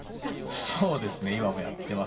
そうですね、今もやってます。